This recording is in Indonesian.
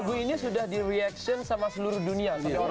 gimana caranya bisa punya